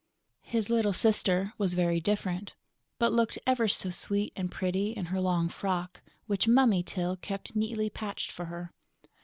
His little sister was very different, but looked ever so sweet and pretty in her long frock, which Mummy Tyl kept neatly patched for her.